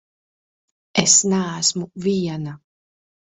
Es neesmu viena!